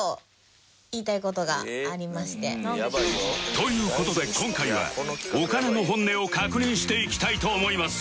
という事で今回はお金のホンネを確認していきたいと思います